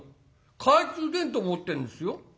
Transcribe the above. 懐中電灯持ってんですよ。